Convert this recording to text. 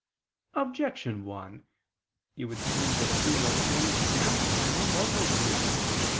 Objection 1: It would seem that a venial sin can become a mortal sin.